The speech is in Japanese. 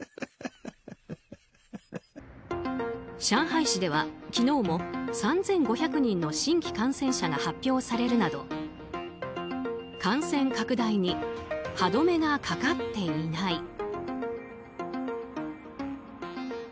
上海市では、昨日も３５００人の新規感染者が発表されるなど感染拡大に歯止めがかかっていない。